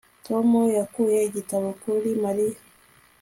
Tom yakuye igitabo kuri Mariya